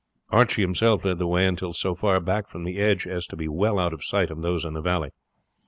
Archie himself led the way until so far back from the edge as to be well out of sight of those in the valley.